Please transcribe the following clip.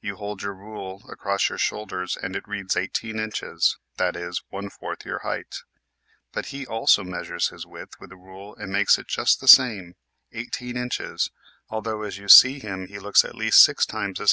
You hold your rule across your shoulders and it reads 18 inches, that is, one fourth your height. But he also measures his width with his rule and makes it just the same, 18 inches, although as you see him he •'^ ns 3 •U^'O o .